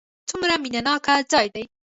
څومره مینه ناک ځای دی.